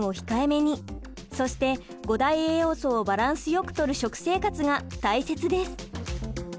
そして五大栄養素をバランスよくとる食生活が大切です。